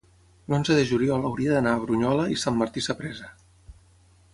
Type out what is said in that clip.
l'onze de juliol hauria d'anar a Brunyola i Sant Martí Sapresa.